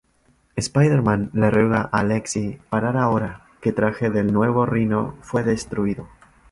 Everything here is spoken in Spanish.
Spider-Man le ruega a Aleksei parar ahora que traje del nuevo Rhino fue destruido.